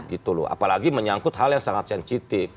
gitu loh apalagi menyangkut hal yang sangat sensitif